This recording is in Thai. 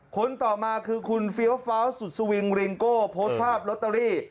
คนต่อมาคือคุณเฟี้ยวฟ้าวสุดสวิงริงโก้โพสต์ภาพลอตเตอรี่